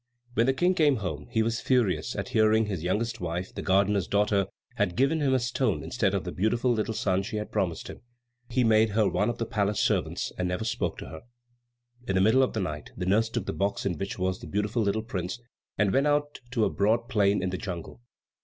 When the King came home, he was furious at hearing his youngest wife, the gardener's daughter, had given him a stone instead of the beautiful little son she had promised him. He made her one of the palace servants, and never spoke to her. In the middle of the night the nurse took the box in which was the beautiful little prince, and went out to a broad plain in the jungle.